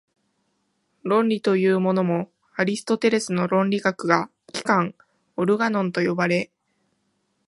論理というものも、アリストテレスの論理学が「機関」（オルガノン）と呼ばれ、